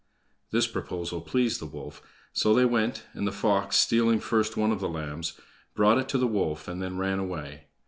This proposal pleased the wolf, so they went, and the fox, stealing first one of the lambs, brought it to the wolf, and then ran away.